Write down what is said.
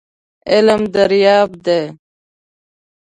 علم دریاب دی .